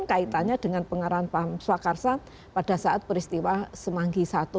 kaitannya dengan pengarahan paham swakarsa pada saat peristiwa semanggi i